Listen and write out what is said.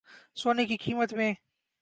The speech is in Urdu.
سونے کی قیمت میں